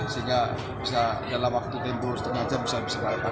sehingga bisa dalam waktu timbul setengah jam bisa disekalikan